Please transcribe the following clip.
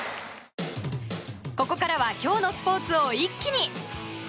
ここからは今日のスポーツを一気に。